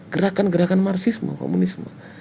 gerakan gerakan marsis komunisme